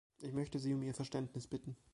Ich möchte Sie um Ihr Verständnis bitten.